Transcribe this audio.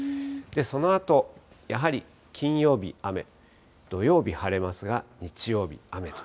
そのあと、やはり金曜日雨、土曜日晴れますが、日曜日雨と。